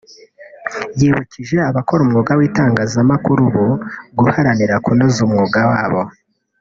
yibukije abakora umwuga w’itangazamakuru ubu guharanira kunoza umwuga wabo